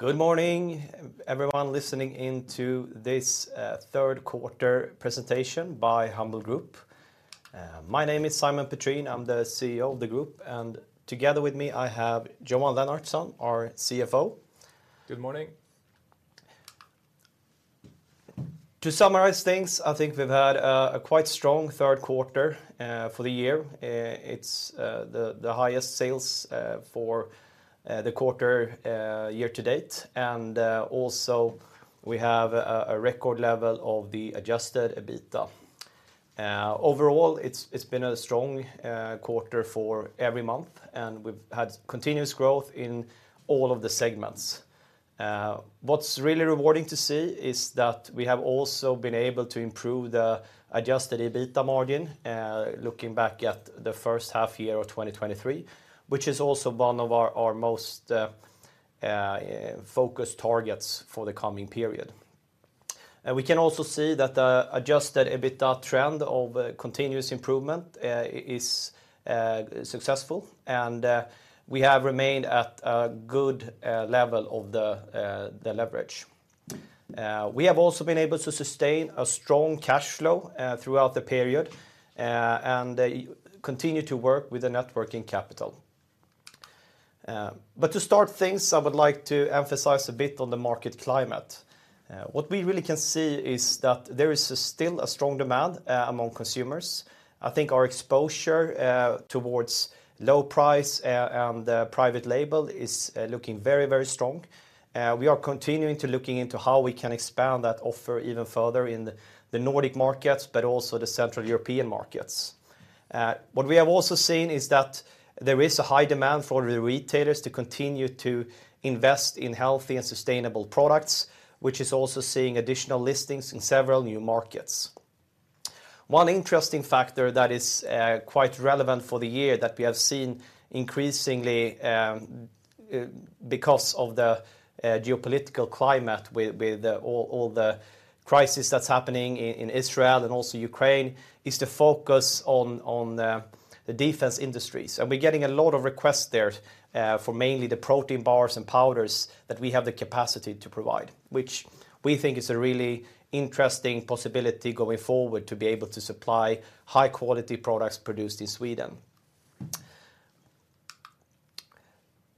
Good morning, everyone listening into this, third quarter presentation by Humble Group. My name is Simon Petrén. I'm the CEO of the group, and together with me, I have Johan Lennartsson, our CFO. Good morning. To summarize things, I think we've had a quite strong third quarter for the year. It's the highest sales for the quarter year to date. And also we have a record level of the adjusted EBITDA. Overall, it's been a strong quarter for every month, and we've had continuous growth in all of the segments. What's really rewarding to see is that we have also been able to improve the adjusted EBITDA margin looking back at the first half year of 2023, which is also one of our most focus targets for the coming period. We can also see that the adjusted EBITDA trend of continuous improvement is successful, and we have remained at a good level of the leverage. We have also been able to sustain a strong cash flow, throughout the period, and continue to work with the net working capital. But to start things, I would like to emphasize a bit on the market climate. What we really can see is that there is still a strong demand, among consumers. I think our exposure, towards low price, and private label is, looking very, very strong. We are continuing to looking into how we can expand that offer even further in the Nordic markets, but also the Central European markets. What we have also seen is that there is a high demand for the retailers to continue to invest in healthy and sustainable products, which is also seeing additional listings in several new markets. One interesting factor that is quite relevant for the year that we have seen increasingly, because of the geopolitical climate with all the crisis that's happening in Israel and also Ukraine, is the focus on the defense industries. We're getting a lot of requests there for mainly the protein bars and powders that we have the capacity to provide, which we think is a really interesting possibility going forward, to be able to supply high-quality products produced in Sweden.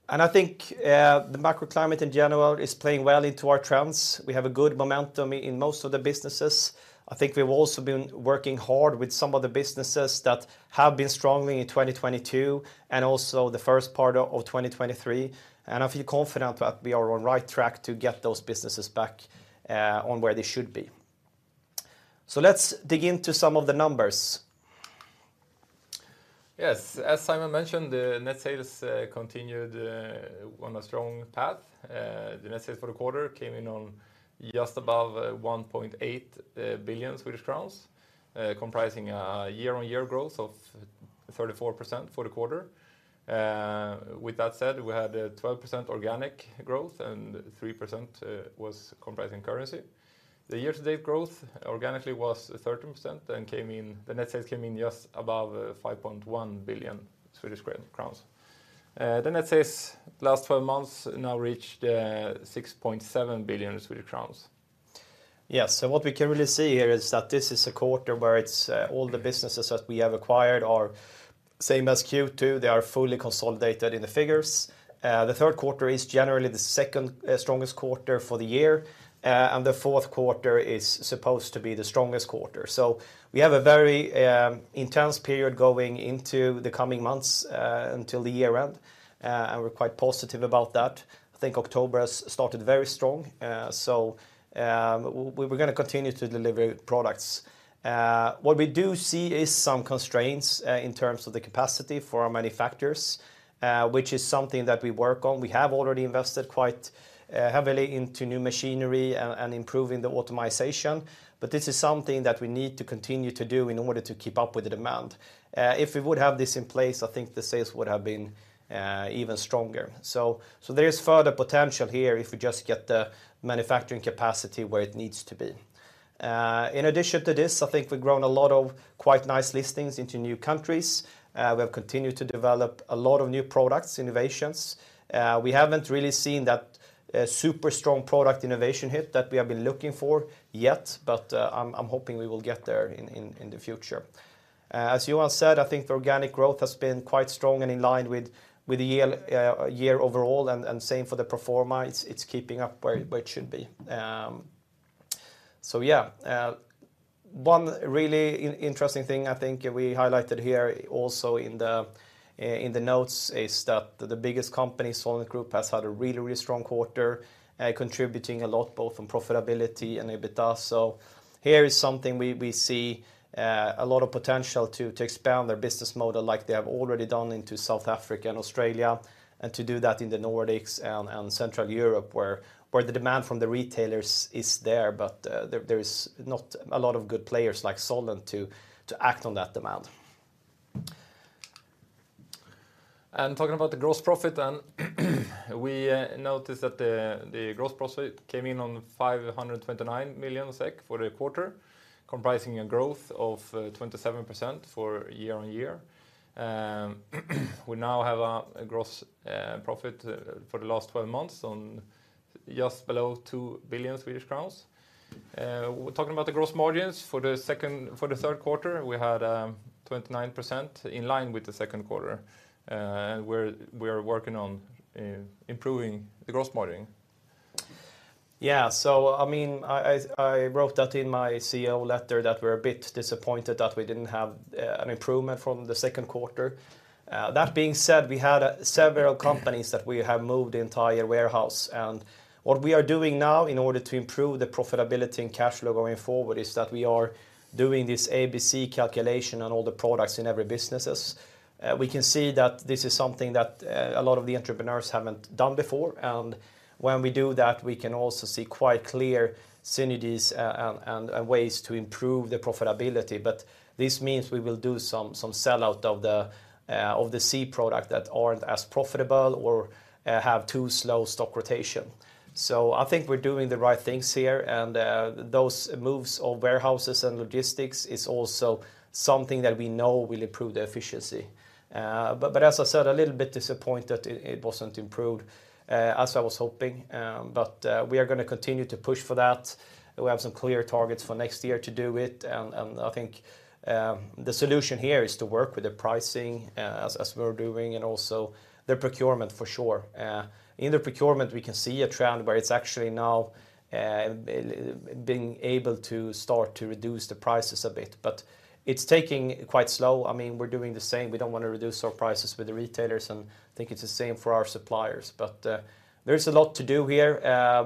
I think the macroclimate in general is playing well into our trends. We have a good momentum in most of the businesses. I think we've also been working hard with some of the businesses that have been strong in 2022 and also the first part of 2023, and I feel confident that we are on right track to get those businesses back, on where they should be. So let's dig into some of the numbers. Yes. As Simon mentioned, the net sales continued on a strong path. The net sales for the quarter came in on just above 1.8 billion Swedish crowns, comprising a year-on-year growth of 34% for the quarter. With that said, we had a 12% organic growth, and 3% was comprising currency. The year-to-date growth organically was 13% and came in, the net sales came in just above 5.1 billion Swedish crowns. The net sales last twelve months now reached 6.7 billion Swedish crowns. Yes, so what we can really see here is that this is a quarter where it's all the businesses that we have acquired are same as Q2. They are fully consolidated in the figures. The third quarter is generally the second strongest quarter for the year, and the fourth quarter is supposed to be the strongest quarter. So we have a very intense period going into the coming months until the year end, and we're quite positive about that. I think October has started very strong. So we, we're gonna continue to deliver products. What we do see is some constraints in terms of the capacity for our manufacturers, which is something that we work on. We have already invested quite heavily into new machinery and improving the automation, but this is something that we need to continue to do in order to keep up with the demand. If we would have this in place, I think the sales would have been even stronger. So there's further potential here if we just get the manufacturing capacity where it needs to be. In addition to this, I think we've grown a lot of quite nice listings into new countries. We have continued to develop a lot of new products, innovations. We haven't really seen that super strong product innovation hit that we have been looking for yet, but I'm hoping we will get there in the future. As Johan said, I think the organic growth has been quite strong and in line with the year, year overall, and same for the pro forma. It's keeping up where it should be. So yeah, one really interesting thing I think we highlighted here also in the notes is that the biggest company, Solent Group, has had a really, really strong quarter, contributing a lot, both on profitability and EBITDA. So here is something we see a lot of potential to expand their business model, like they have already done into South Africa and Australia, and to do that in the Nordics and Central Europe, where the demand from the retailers is there, but there is not a lot of good players like Solent to act on that demand. Talking about the gross profit, we noticed that the gross profit came in on 529 million SEK for the quarter, comprising a growth of 27% year-on-year. We now have a gross profit for the last twelve months on just below 2 billion Swedish crowns. We're talking about the gross margins for the third quarter. We had 29% in line with the second quarter. We are working on improving the gross margin. Yeah, so I mean, I wrote that in my CEO letter that we're a bit disappointed that we didn't have an improvement from the second quarter. That being said, we had several companies that we have moved the entire warehouse. And what we are doing now in order to improve the profitability and cash flow going forward is that we are doing this ABC calculation on all the products in every businesses. We can see that this is something that a lot of the entrepreneurs haven't done before, and when we do that, we can also see quite clear synergies and ways to improve the profitability. But this means we will do some sell-out of the C product that aren't as profitable or have too slow stock rotation. So I think we're doing the right things here, and those moves of warehouses and logistics is also something that we know will improve the efficiency. But as I said, a little bit disappointed it wasn't improved as I was hoping. But we are going to continue to push for that. We have some clear targets for next year to do it, and I think the solution here is to work with the pricing as we're doing, and also the procurement for sure. In the procurement, we can see a trend where it's actually now being able to start to reduce the prices a bit, but it's taking quite slow. I mean, we're doing the same. We don't want to reduce our prices with the retailers, and I think it's the same for our suppliers. There's a lot to do here.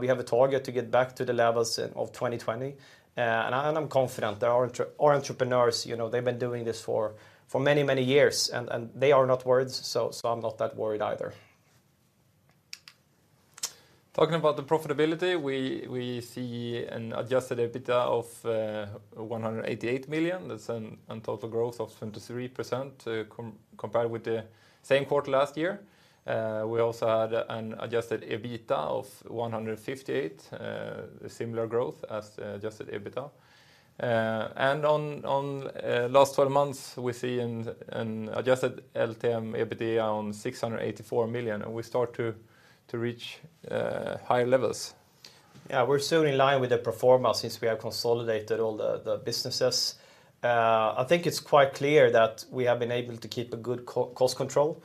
We have a target to get back to the levels of 2020, and I'm confident that our entrepreneurs, you know, they've been doing this for many, many years, and they are not worried, so I'm not that worried either. Talking about the profitability, we see an adjusted EBITDA of 188 million. That's an total growth of 73% compared with the same quarter last year. We also had an adjusted EBITDA of 158 million, similar growth as adjusted EBITDA. And on last twelve months, we see an adjusted LTM EBITDA of 684 million, and we start to reach higher levels. Yeah, we're still in line with the pro forma since we have consolidated all the businesses. I think it's quite clear that we have been able to keep a good cost control.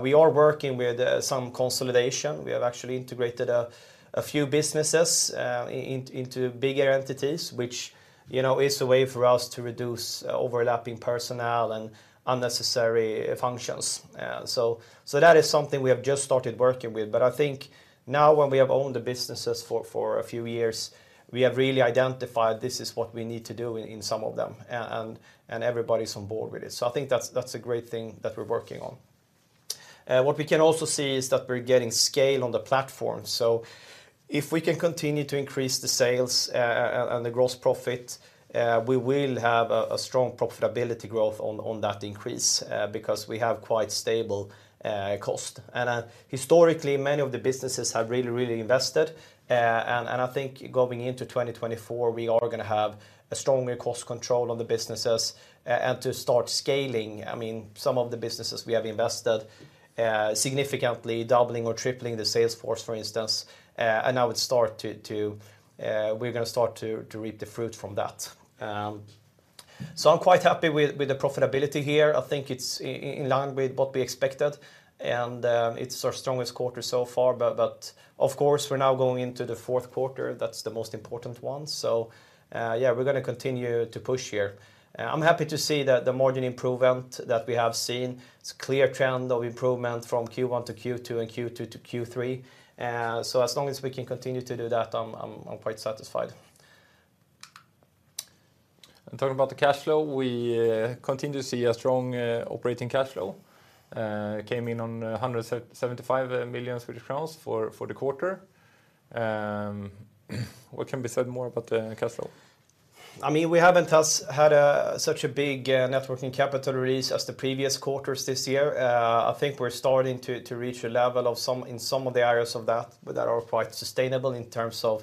We are working with some consolidation. We have actually integrated a few businesses into bigger entities, which, you know, is a way for us to reduce overlapping personnel and unnecessary functions. So that is something we have just started working with, but I think now, when we have owned the businesses for a few years, we have really identified this is what we need to do in some of them, and everybody's on board with it. So I think that's a great thing that we're working on. What we can also see is that we're getting scale on the platform. So if we can continue to increase the sales, and the gross profit, we will have a strong profitability growth on that increase, because we have quite stable cost. Historically, many of the businesses have really invested, and I think going into 2024, we are going to have a stronger cost control on the businesses, and to start scaling. I mean, some of the businesses we have invested significantly, doubling or tripling the sales force, for instance, and now we're going to start to reap the fruit from that. So I'm quite happy with the profitability here. I think it's in line with what we expected, and it's our strongest quarter so far. But of course, we're now going into the fourth quarter. That's the most important one. So, yeah, we're going to continue to push here. I'm happy to see that the margin improvement that we have seen, it's a clear trend of improvement from Q1 to Q2 and Q2 to Q3. So as long as we can continue to do that, I'm quite satisfied. Talking about the cash flow, we continue to see a strong operating cash flow. Came in on 175 million Swedish crowns for the quarter. What can be said more about the cash flow? I mean, we haven't had such a big net working capital raise as the previous quarters this year. I think we're starting to reach a level of some in some of the areas of that that are quite sustainable in terms of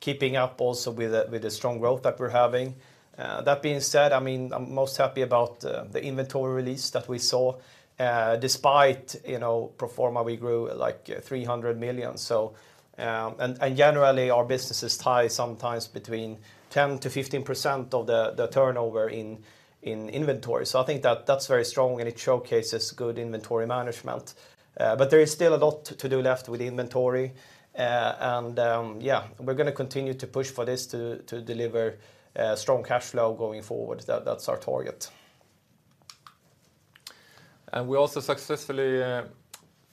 keeping up also with the strong growth that we're having. That being said, I mean, I'm most happy about the inventory release that we saw. Despite, you know, pro forma, we grew, like, 300 million. And generally, our businesses tie up sometimes between 10%-15% of the turnover in inventory. So I think that that's very strong, and it showcases good inventory management. But there is still a lot to do left with the inventory. Yeah, we're going to continue to push for this to deliver strong cash flow going forward. That's our target. We also successfully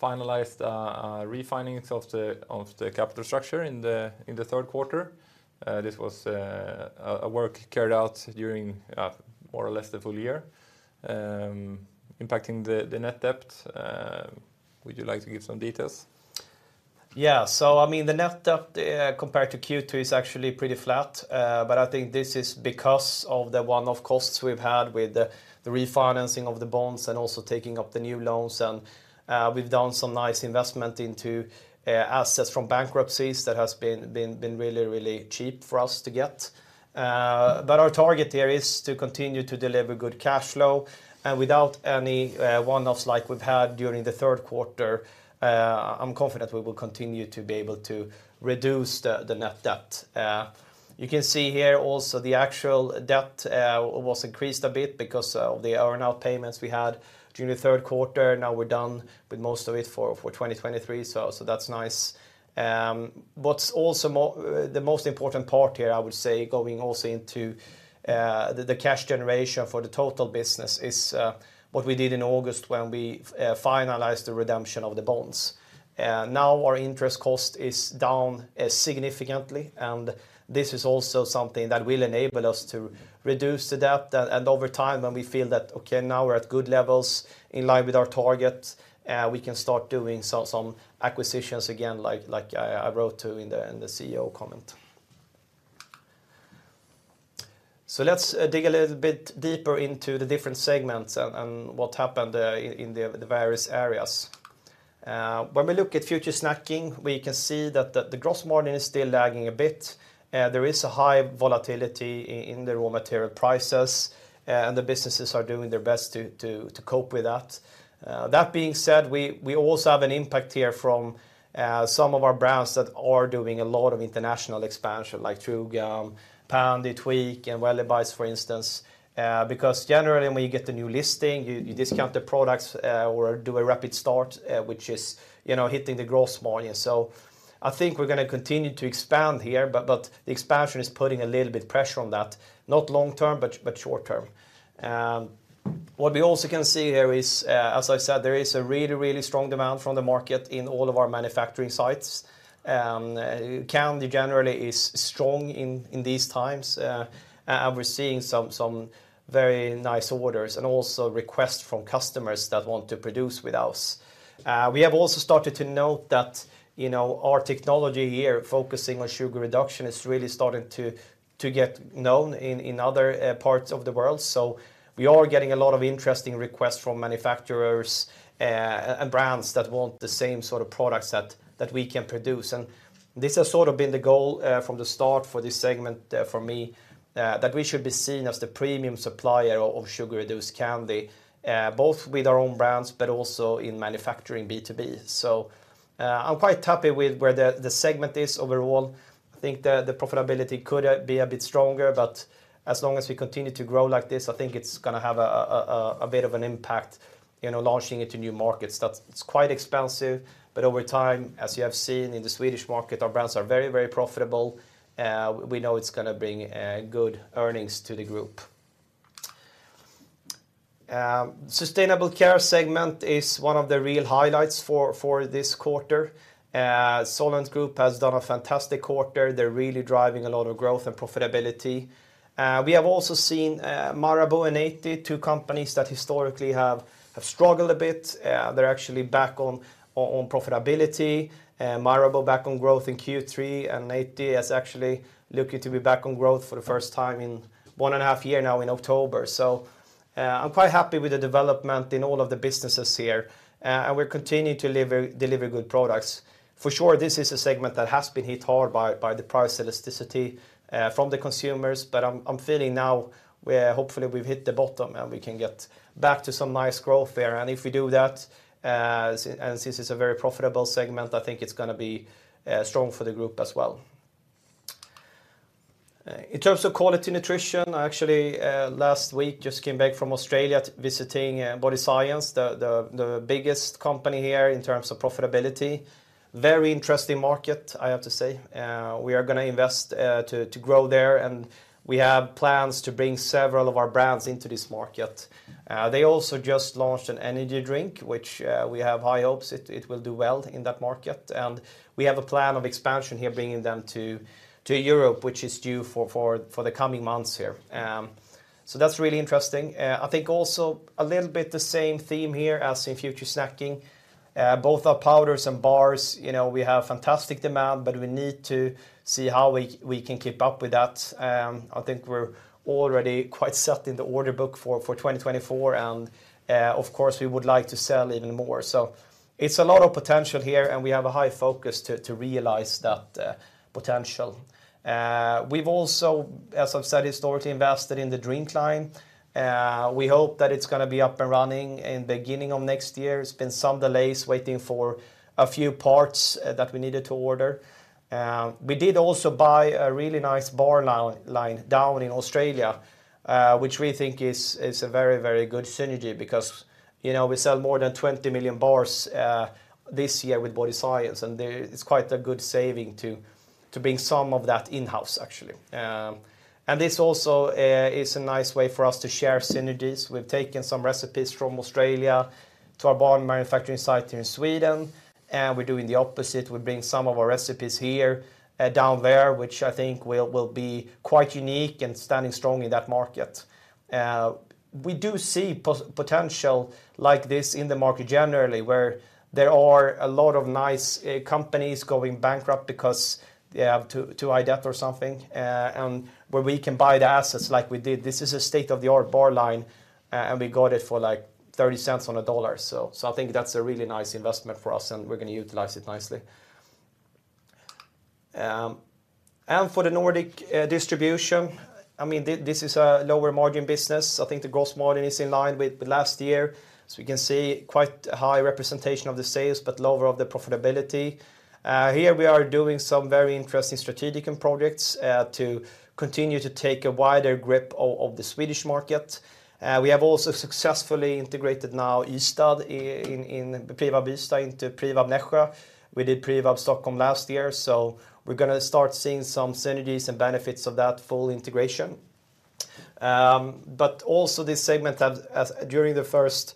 finalized a refinancing of the capital structure in the third quarter. This was a work carried out during more or less the full year, impacting the net debt. Would you like to give some details? Yeah, so I mean, the net debt compared to Q2 is actually pretty flat. But I think this is because of the one-off costs we've had with the refinancing of the bonds and also taking up the new loans. And we've done some nice investment into assets from bankruptcies that has been really cheap for us to get. But our target here is to continue to deliver good cash flow, and without any one-offs like we've had during the third quarter, I'm confident we will continue to be able to reduce the net debt. You can see here also the actual debt was increased a bit because of the earn-out payments we had during the third quarter. Now we're done with most of it for 2023, so that's nice. The most important part here, I would say, going also into the cash generation for the total business is what we did in August when we finalized the redemption of the bonds. Now our interest cost is down significantly, and this is also something that will enable us to reduce the debt. And over time, when we feel that, okay, now we're at good levels in line with our target, we can start doing some acquisitions again like I wrote to in the CEO comment. So let's dig a little bit deeper into the different segments and what happened in the various areas. When we look at Future Snacking, we can see that the gross margin is still lagging a bit. There is a high volatility in the raw material prices, and the businesses are doing their best to cope with that. That being said, we also have an impact here from some of our brands that are doing a lot of international expansion, like True Gum, Pändy, Tweek, and Wellibites, for instance. Because generally when you get the new listing, you discount the products or do a rapid start, which is, you know, hitting the gross margin. So I think we're gonna continue to expand here, but the expansion is putting a little bit pressure on that. Not long term, but short term. What we also can see here is, as I said, there is a really, really strong demand from the market in all of our manufacturing sites. Candy generally is strong in these times, and we're seeing some very nice orders and also requests from customers that want to produce with us. We have also started to note that, you know, our technology here, focusing on sugar reduction, is really starting to get known in other parts of the world. So we are getting a lot of interesting requests from manufacturers and brands that want the same sort of products that we can produce. And this has sort of been the goal from the start for this segment, for me, that we should be seen as the premium supplier of sugar-reduced candy, both with our own brands, but also in manufacturing B2B. So, I'm quite happy with where the segment is overall. I think the profitability could be a bit stronger, but as long as we continue to grow like this, I think it's gonna have a bit of an impact, you know, launching into new markets. That's. It's quite expensive, but over time, as you have seen in the Swedish market, our brands are very, very profitable. We know it's gonna bring good earnings to the group. Sustainable Care segment is one of the real highlights for this quarter. Solent Group has done a fantastic quarter. They're really driving a lot of growth and profitability. We have also seen, The Humble Co. and Naty, two companies that historically have struggled a bit, they're actually back on profitability. The Humble Co. back on growth in Q3, and Naty is actually looking to be back on growth for the first time in one and a half year now in October. So, I'm quite happy with the development in all of the businesses here, and we're continuing to deliver good products. For sure, this is a segment that has been hit hard by the price elasticity from the consumers, but I'm feeling now we're, hopefully, we've hit the bottom, and we can get back to some nice growth there. And if we do that, and since it's a very profitable segment, I think it's gonna be strong for the group as well. In terms of Quality Nutrition, I actually last week just came back from Australia visiting Body Science, the biggest company here in terms of profitability. Very interesting market, I have to say. We are gonna invest to grow there, and we have plans to bring several of our brands into this market. They also just launched an energy drink, which we have high hopes it will do well in that market. And we have a plan of expansion here, bringing them to Europe, which is due for the coming months here. So that's really interesting. I think also a little bit the same theme here as in Future Snacking. Both our powders and bars, you know, we have fantastic demand, but we need to see how we can keep up with that. I think we're already quite set in the order book for 2024, and, of course, we would like to sell even more. So it's a lot of potential here, and we have a high focus to realize that potential. We've also, as I've said, historically, invested in the drink line. We hope that it's gonna be up and running in the beginning of next year. It's been some delays waiting for a few parts that we needed to order. We did also buy a really nice bar line down in Australia, which we think is a very, very good synergy because, you know, we sell more than 20 million bars this year with Body Science, and there, it's quite a good saving to bring some of that in-house, actually. And this also is a nice way for us to share synergies. We've taken some recipes from Australia to our bottom manufacturing site here in Sweden, and we're doing the opposite. We're bringing some of our recipes here down there, which I think will be quite unique and standing strong in that market. We do see potential like this in the market generally, where there are a lot of nice companies going bankrupt because they have too high debt or something, and where we can buy the assets like we did. This is a state-of-the-art bar line, and we got it for, like, 30 cents on a dollar. So I think that's a really nice investment for us, and we're going to utilize it nicely. And for the Nordic Distribution, I mean, this is a lower margin business. I think the gross margin is in line with the last year. So we can see quite a high representation of the sales, but lower of the profitability. Here we are doing some very interesting strategic projects to continue to take a wider grip of the Swedish market. We have also successfully integrated now Ystad in Privab Ystad into Privab Nyköping. We did Privab Stockholm last year, so we're gonna start seeing some synergies and benefits of that full integration. But also this segment has, as during the first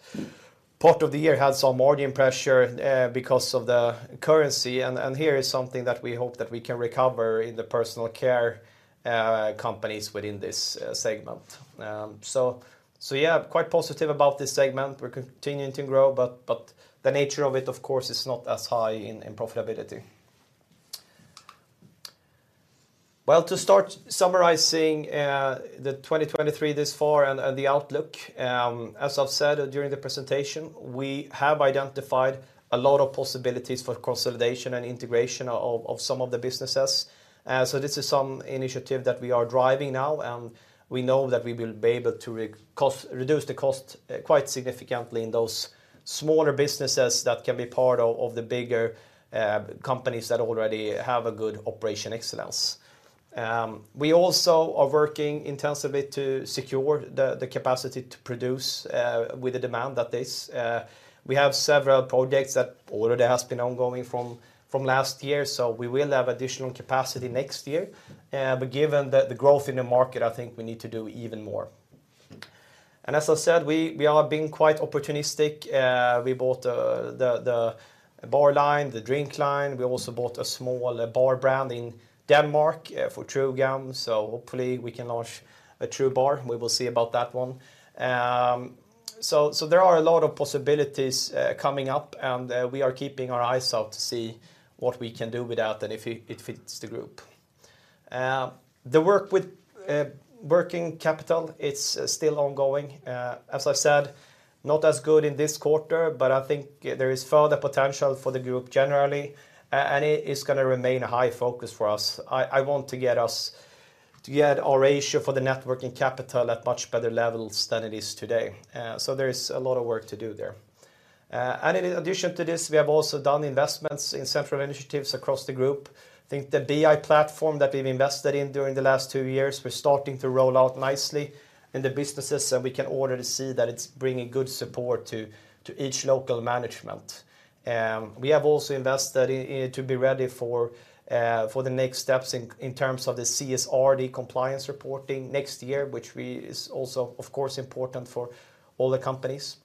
part of the year, had some margin pressure because of the currency, and here is something that we hope that we can recover in the personal care companies within this segment. So, so yeah, quite positive about this segment. We're continuing to grow, but, but the nature of it, of course, is not as high in, in profitability. Well, to start summarizing, the 2023 this far and, and the outlook, as I've said during the presentation, we have identified a lot of possibilities for consolidation and integration of, of some of the businesses. So this is some initiative that we are driving now, and we know that we will be able to reduce the cost, quite significantly in those smaller businesses that can be part of, of the bigger, companies that already have a good operation excellence. We also are working intensively to secure the, the capacity to produce, with the demand that is. We have several projects that already has been ongoing from last year, so we will have additional capacity next year. But given that the growth in the market, I think we need to do even more. And as I said, we are being quite opportunistic. We bought the bar line, the drink line. We also bought a small bar brand in Denmark for True Gum, so hopefully we can launch a True Bar. We will see about that one. So there are a lot of possibilities coming up, and we are keeping our eyes out to see what we can do with that and if it fits the group. The work with working capital, it's still ongoing. As I've said, not as good in this quarter, but I think there is further potential for the group generally, and it is gonna remain a high focus for us. I want to get our ratio for the net working capital at much better levels than it is today. So there is a lot of work to do there. And in addition to this, we have also done investments in central initiatives across the group. I think the BI platform that we've invested in during the last two years, we're starting to roll out nicely in the businesses, and we can already see that it's bringing good support to each local management. We have also invested to be ready for the next steps in terms of the CSR, the compliance reporting next year, which is also, of course, important for all the companies.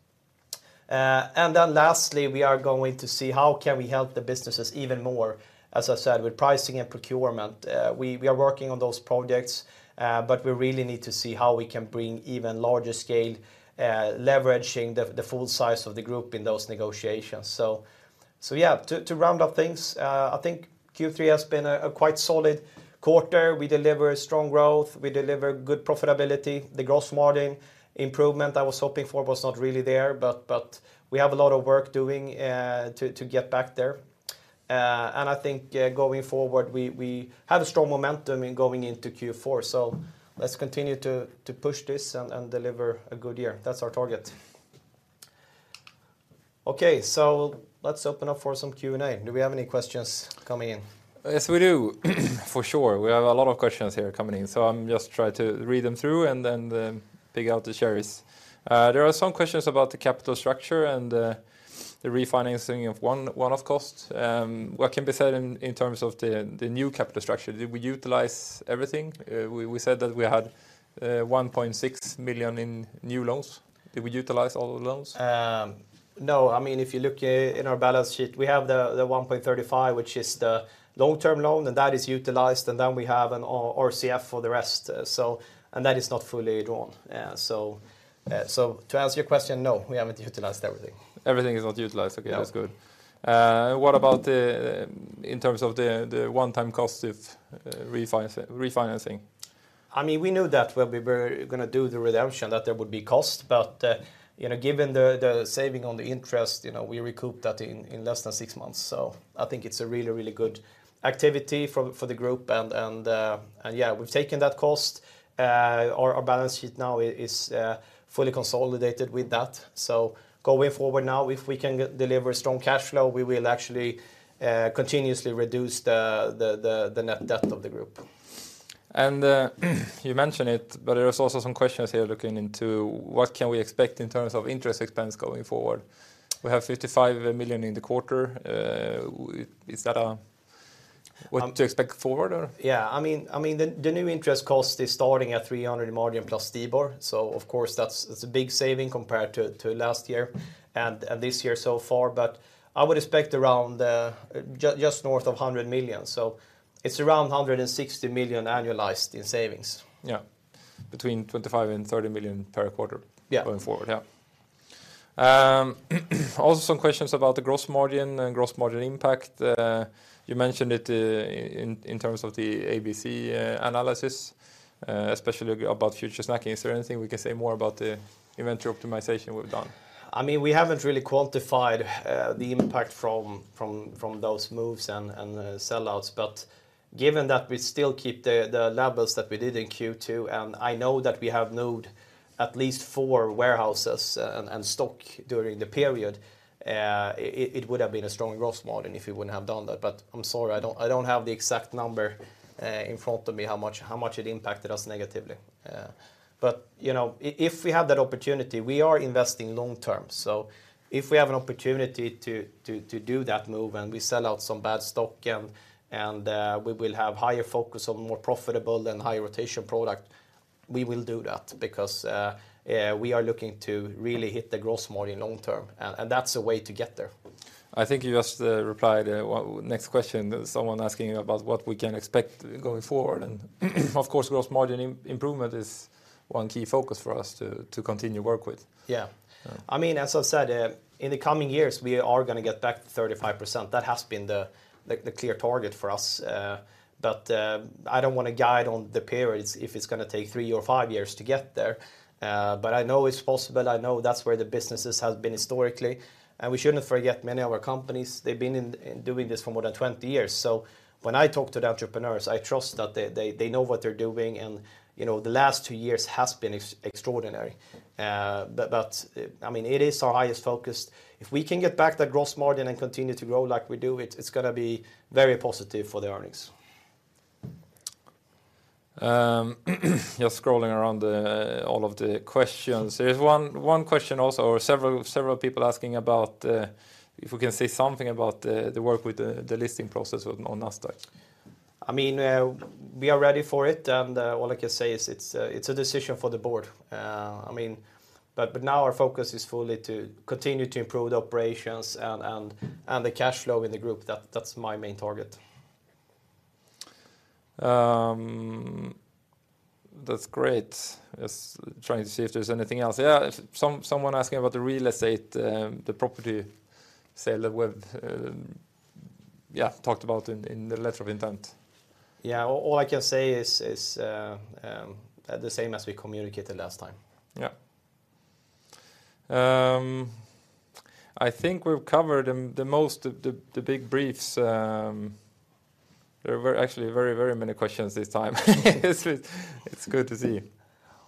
And then lastly, we are going to see how can we help the businesses even more, as I said, with pricing and procurement. We are working on those projects, but we really need to see how we can bring even larger scale, leveraging the full size of the group in those negotiations. So yeah, to round up things, I think Q3 has been a quite solid quarter. We deliver strong growth, we deliver good profitability. The gross margin improvement I was hoping for was not really there, but we have a lot of work doing to get back there. I think going forward, we have a strong momentum in going into Q4. Let's continue to push this and deliver a good year. That's our target. Okay, let's open up for some Q&A. Do we have any questions coming in? Yes, we do. For sure. We have a lot of questions here coming in, so I'm just try to read them through and then pick out the cherries. There are some questions about the capital structure and the refinancing of one-off costs. What can be said in terms of the new capital structure? Did we utilize everything? We said that we had 1.6 million in new loans. Did we utilize all the loans? No. I mean, if you look in our balance sheet, we have the 1.35 million, which is the long-term loan, and that is utilized, and then we have an RCF for the rest, so, and that is not fully drawn. So, to answer your question, no, we haven't utilized everything. Everything is not utilized. Okay, that's good. What about the, in terms of the, the one-time cost of refinancing? I mean, we knew that when we were gonna do the redemption, that there would be cost, but you know, given the saving on the interest, you know, we recouped that in less than six months. So I think it's a really, really good activity for the group, and yeah, we've taken that cost. Our balance sheet now is fully consolidated with that. So going forward now, if we can deliver strong cash flow, we will actually continuously reduce the net debt of the group. And, you mentioned it, but there is also some questions here looking into what can we expect in terms of interest expense going forward? We have 55 million in the quarter. Is that what to expect forward or? Yeah, I mean, I mean, the new interest cost is starting at 300 margin + STIBOR. So of course, that's, it's a big saving compared to last year and this year so far. But I would expect around just north of 100 million. So it's around 160 million annualized in savings. Yeah. Between 25 million and 30 million per quarter going forward. Yeah. Also some questions about the gross margin and gross margin impact. You mentioned it, in terms of the ABC, analysis, especially about Future Snacking. Is there anything we can say more about the inventory optimization we've done? I mean, we haven't really quantified the impact from those moves and sellouts. But given that we still keep the levels that we did in Q2, and I know that we have moved at least four warehouses and stock during the period, it would have been a strong gross margin if we wouldn't have done that. But I'm sorry I don't have the exact number in front of me, how much it impacted us negatively. But you know, if we have that opportunity, we are investing long-term. So if we have an opportunity to do that move, and we sell out some bad stock, and we will have higher focus on more profitable and higher rotation product, we will do that because we are looking to really hit the gross margin long term, and that's the way to get there. I think you just replied, well, next question. Someone asking about what we can expect going forward, and of course, gross margin improvement is one key focus for us to continue to work with. Yeah I mean, as I said, in the coming years, we are gonna get back to 35%. That has been the clear target for us, but I don't want to guide on the periods, if it's gonna take three or five years to get there. But I know it's possible. I know that's where the businesses has been historically, and we shouldn't forget many of our companies, they've been doing this for more than 20 years. So when I talk to the entrepreneurs, I trust that they know what they're doing. And, you know, the last two years has been extraordinary, but I mean, it is our highest focus. If we can get back that gross margin and continue to grow like we do, it's gonna be very positive for the earnings. Just scrolling around the all of the questions. There is one question also, or several people asking about if we can say something about the work with the listing process on Nasdaq. I mean, we are ready for it, and all I can say is it's a, it's a decision for the board. I mean, but now our focus is fully to continue to improve the operations and the cash flow in the group. That's my main target. That's great. Just trying to see if there's anything else. Yeah, someone asking about the real estate, the property sale that we've, yeah, talked about in the letter of intent. Yeah. All I can say is the same as we communicated last time. Yeah. I think we've covered the most of the big briefs. There were actually very, very many questions this time. It's good to see.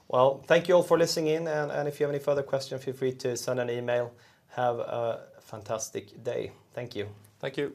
Well, thank you all for listening in, and if you have any further questions, feel free to send an email. Have a fantastic day. Thank you. Thank you.